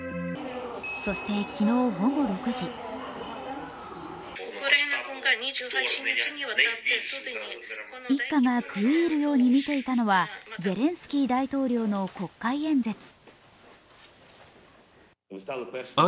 そして昨日午後６時一家が食い入るように見ていたのはゼレンスキー大統領の国会演説。